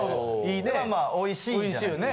まあまあおいしいじゃないですか。